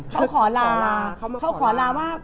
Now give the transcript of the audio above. เขาขอลาเขาขอลามาก